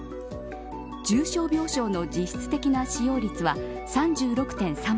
重症病床の実質的な使用率は３６．３％。